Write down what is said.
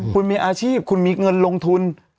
คุณมีอาชีพคุณมีเงินลงทุน